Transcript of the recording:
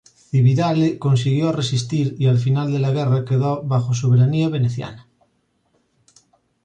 Cividale consiguió resistir y al final de la guerra quedó bajo soberanía veneciana.